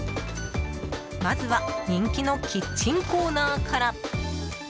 まずは人気のキッチンコーナーから。